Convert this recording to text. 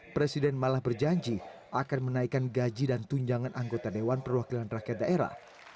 presiden malah berjanji akan menaikkan gaji dan tunjangan anggota dewan perwakilan rakyat daerah